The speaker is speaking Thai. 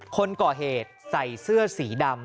คนก่อเหตุใส่เสื้อสีดำ